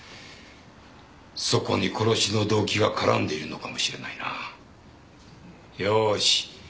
そこに殺しの動機が絡んでいるのかもしれないなよし